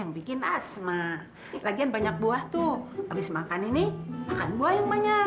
yang bikin asma lagian banyak buah tuh habis makan ini makan buah yang banyak